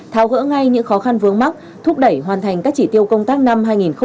tháo gỡ ngay những khó khăn vướng mắt thúc đẩy hoàn thành các chỉ tiêu công tác năm hai nghìn hai mươi